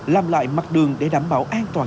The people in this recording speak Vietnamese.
làm lại mặt đường để đảm bảo an toàn